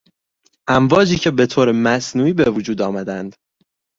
امواجی که به طور مصنوعی به وجود آمدهاند